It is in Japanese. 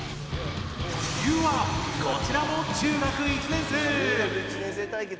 Ｙｕａ、こちらも中学１年生！